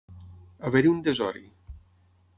Haver-hi un desori.